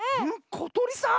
ことりさん